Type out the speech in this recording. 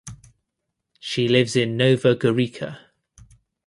She lives in Nova Gorica.